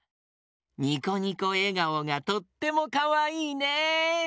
ニコニコえがおがとってもかわいいね！